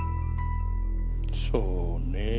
そうね。